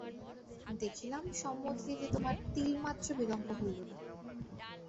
দেখিলাম সম্মতি দিতে তোমার তিলমাত্র বিলম্ব হইল না।